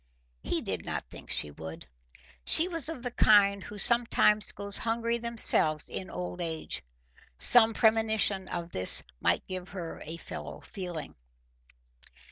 He did not think she would. She was of the kind who sometimes go hungry themselves in old age. Some premonition of this might give her a fellow feeling.